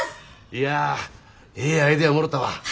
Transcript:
いやええアイデアもろたわ。